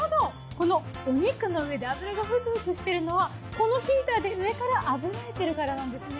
このお肉の上で油がフツフツしてるのはこのヒーターで上から炙られてるからなんですね。